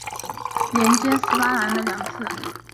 连接伊斯兰马巴德与自由克什米尔的道路经过它两次。